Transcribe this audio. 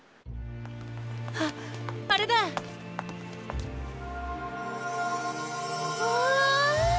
あっあれだ！わあ！